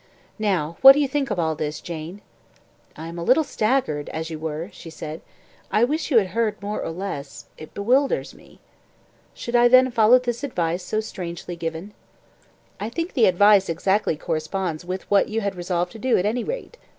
"Now, what do you think of all this, Jane?" "I am a little staggered, as you were," said she. "I wish you had heard more or less it bewilders me." "Should I then follow this advice so strangely given?" "I think the advice exactly corresponds with what you had resolved to do at any rate.